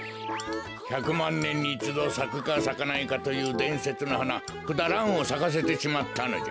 ひゃくまんねんにいちどさくかさかないかというでんせつのはなクダランをさかせてしまったのじゃ。